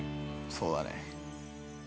◆そうだね。